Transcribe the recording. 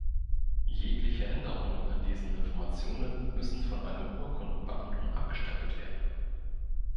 Jegliche Änderungen an diesen Informationen müssen von einem Urkundenbeamten abgestempelt werden.